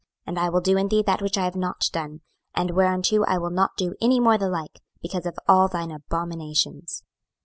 26:005:009 And I will do in thee that which I have not done, and whereunto I will not do any more the like, because of all thine abominations.